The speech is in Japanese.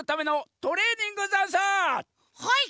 はい！